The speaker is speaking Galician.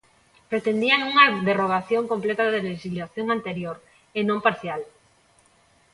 Pretendían unha derrogación completa da lexislación anterior, e non parcial.